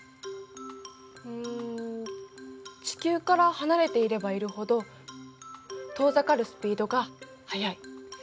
うん地球から離れていればいるほど遠ざかるスピードが速い。